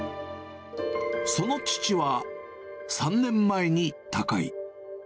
その父は３年前に他界。